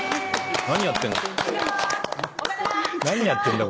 何やってんの？